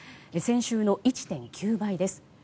先週の１．９倍です。